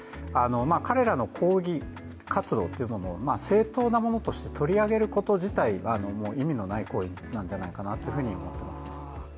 彼らの抗議活動というものを正当なものとして取り上げること自体もう意味のない行為なんじゃないかなと思っています。